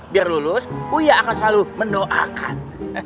biar lulus uya akan selalu mendoakan